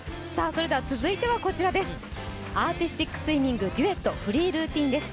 続いてはアーティスティックスイミングデュエットフリールーティンです。